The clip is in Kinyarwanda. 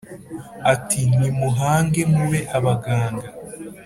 ati nimuhange mube abaganga